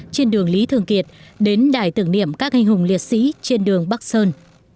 trên đường lý thường kiệt đến đài tưởng niệm các anh hùng liệt sĩ trên đường bắc sơn